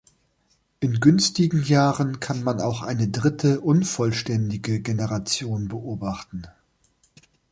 In günstigen Jahren kann man auch eine dritte, unvollständige Generationen beobachten.